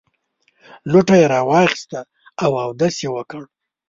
لوټه یې راواخیسته او اودس یې وکړ.